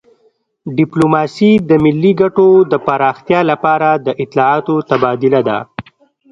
ډیپلوماسي د ملي ګټو د پراختیا لپاره د اطلاعاتو تبادله ده